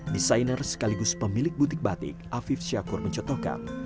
desainer sekaligus pemilik butik batik afif syakur mencotokkan